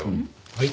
はい。